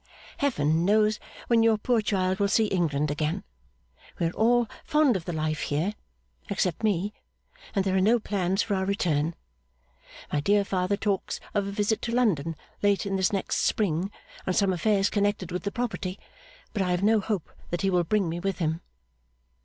Heaven knows when your poor child will see England again. We are all fond of the life here (except me), and there are no plans for our return. My dear father talks of a visit to London late in this next spring, on some affairs connected with the property, but I have no hope that he will bring me with him.